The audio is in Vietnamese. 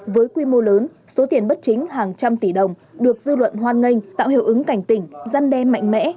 với quy mô lớn số tiền bất chính hàng trăm tỷ đồng được dư luận hoan nghênh tạo hiệu ứng cảnh tỉnh giăn đe mạnh mẽ